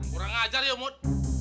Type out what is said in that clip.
kurang ngajar ya umut